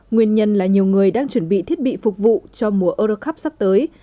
nguyên nhân là nhiều người đang chuẩn bị thiết bị phục vụ cho mùa euro cup sắp tới